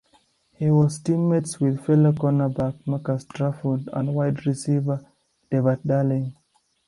He was teammates with fellow cornerback Marcus Trufant and wide receiver Devard Darling.